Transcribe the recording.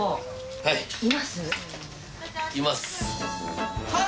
はい。